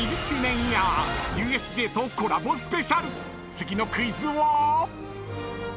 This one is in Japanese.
［次のクイズは］